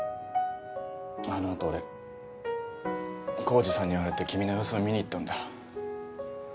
あのあと俺晃司さんに言われて君の様子を見にいったんだ。